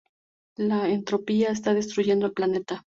La entropía está destruyendo el planeta.